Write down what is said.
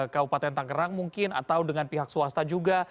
kabupaten tangerang mungkin atau dengan pihak swasta juga